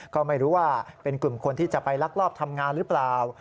ก็ไม่รู้ว่าเป็นกลุ่มคนที่จะไปลักลอบทำงานหรือเปล่า